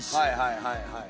はいはい。